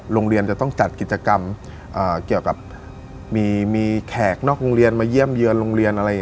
โรงเรียนจะต้องจัดกิจกรรมเกี่ยวกับมีแขกนอกโรงเรียนมาเยี่ยมเยือนโรงเรียนอะไรอย่างนี้